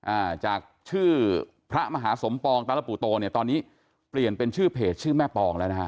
อ่าจากชื่อพระมหาสมปองตารปุโตเนี่ยตอนนี้เปลี่ยนเป็นชื่อเพจชื่อแม่ปองแล้วนะฮะ